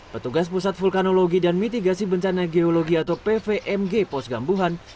petugas pusat vulkanologi dan mitigasi bencana geologi atau pvmg pos gambuhan